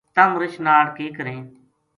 تم رچھ ناڑ کے کریں